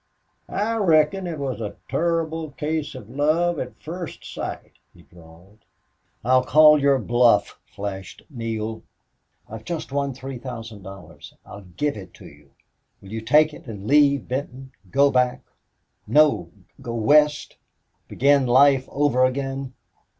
"I reckon it was a turrible case of love at fust sight," he drawled. "I'll call your bluff!" flashed Neale. "I've just won three thousand dollars. I'll give it to you. Will you take it and leave Benton go back no! go west begin life over again?"